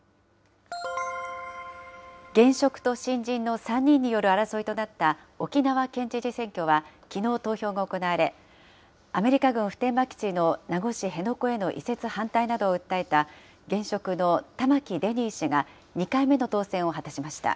現職と新人の３人による争いとなった沖縄県知事選挙は、きのう投票が行われ、アメリカ軍普天間基地の名護市辺野古への移設反対などを訴えた現職の玉城デニー氏が２回目の当選を果たしました。